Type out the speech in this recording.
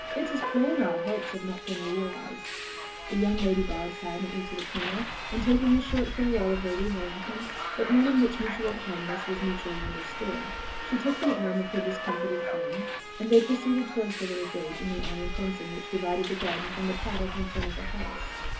It is plain our hopes have not been realised." The young lady bowed silently to the colonel, and taking a short farewell of Lady Harrington, but one in which mutual kindness was mutually understood, she took the arm of her discomfited friend, and they proceeded towards a little gate in the iron fencing which divided the garden from the paddock in front of the house.